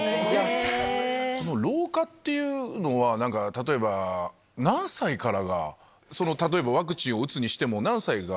老化っていうのは、なんか例えば、何歳からが、その例えばワクチンを打つにしても、何歳が。